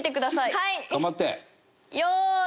はい。